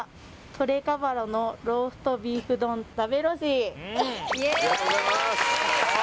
「トレカバロのローストビーフ丼食べろし！」